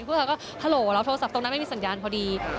พวกเธอก็ฮัลโหลแล้วโทรศัพท์ตรงนั้นไม่มีสัญญาณพอดี